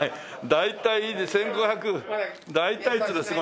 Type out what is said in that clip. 大体で１５００大体っていうのはすごいね。